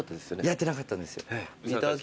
やってなかったんです。